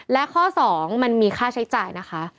และข้อ๒มันมีค่าใช้จ่ายนะคะ